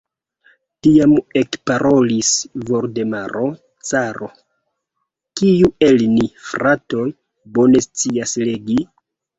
Tiam ekparolis Voldemaro caro: "Kiu el ni, fratoj, bone scias legi?"